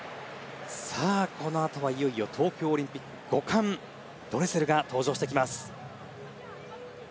さあ、このあとはいよいよ東京オリンピック５冠のドレセルが登場します。